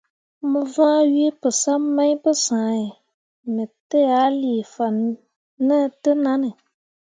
Mo vãã we pəsam mai pəsãhe, me tə a lee fan ne təʼnanne.